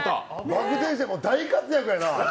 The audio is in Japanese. バク転して、大活躍やな。